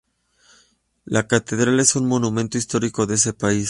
La catedral es un monumento histórico de ese país.